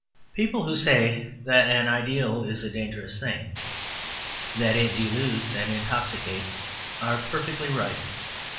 People who say that an ideal is a dangerous thing, that it deludes and intoxicates, are perfectly right.